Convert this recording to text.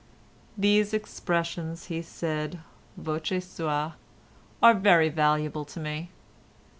"These expressions," he said, voce suâ, "are very valuable to me."